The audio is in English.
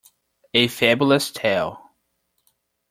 A Fabulous tale.